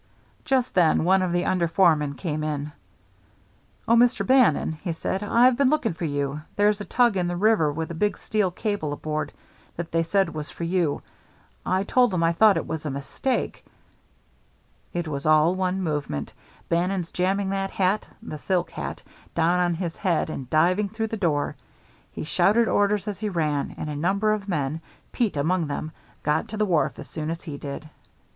Just then one of the under foremen came in. "Oh, Mr. Bannon," he said, "I've been looking for you. There's a tug in the river with a big, steel cable aboard that they said was for us. I told 'em I thought it was a mistake " It was all one movement, Bannon's jamming that hat the silk hat down on his head, and diving through the door. He shouted orders as he ran, and a number of men, Pete among them, got to the wharf as soon as he did.